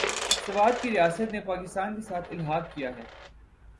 سوات کی ریاست نے پاکستان کے ساتھ الحاق کیا تھا ۔